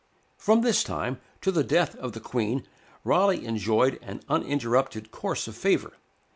From this time to the death of the Queen, Raleigh enjoyed an uninterrupted course of favor.